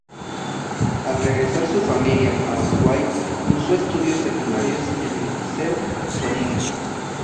Al regresar su familia a Uruguay, cursó estudios secundarios en el Liceo Zorrilla.